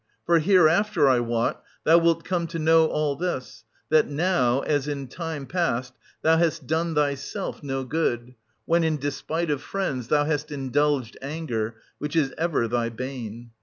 For hereafter, I wot, thou wilt come to know all this, — that now, as in time past, thou hast done thyself no good, when, in despite of friends, thou hast indulged anger, which is ever thy bane.